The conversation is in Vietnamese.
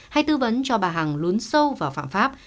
hay tư vấn cho bà hằng lún sâu vào phạm pháp